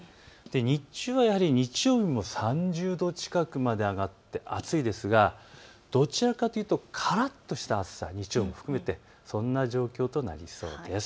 日中はやはり日曜日も３０度近くまで上がって暑いですがどちらかというとカラッとした暑さ、そんな状況となりそうです。